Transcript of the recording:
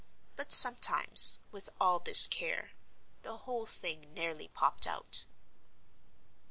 But sometimes, with all this care, the whole thing nearly popped out.